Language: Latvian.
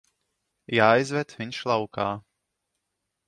Jāizved viņš laukā.